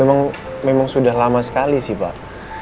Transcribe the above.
memang sudah lama sekali sih pak